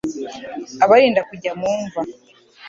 abarinda kujya mu mva